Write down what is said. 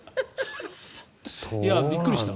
びっくりした。